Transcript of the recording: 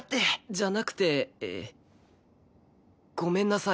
じゃなくてえー。ごめんなさい。